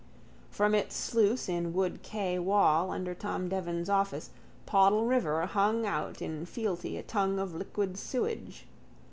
From its sluice in Wood quay wall under Tom Devan's office Poddle river hung out in fealty a tongue of liquid sewage.